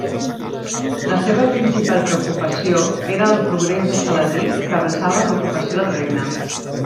La seva principal preocupació era el progrés de Saladí que avançava en l'ocupació del regne.